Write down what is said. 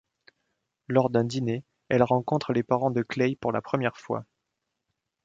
Lors d'un dîner, elle rencontre les parents de Clay pour la première fois.